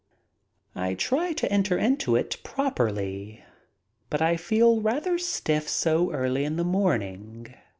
I try to enter into it properly, but I feel rather stiff so early in the morning.